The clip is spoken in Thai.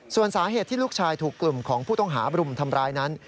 ส่วนสาเหตุที่ลูกชายถูกกลุ่มของผู้ต้องหาบรุมทำร้ายนั้น